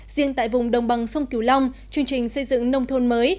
riêng tại vùng đồng bằng sông kiều long chương trình xây dựng nông thôn mới